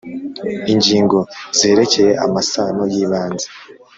- ingingo zerekeye: -amasano y’ibanze,